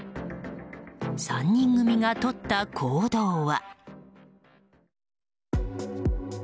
３人組がとった行動は。